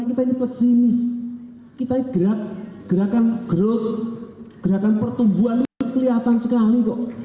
kita ini gerak gerakan gerut gerakan pertumbuhan ini kelihatan sekali kok